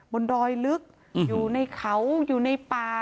ดอยลึกอยู่ในเขาอยู่ในป่า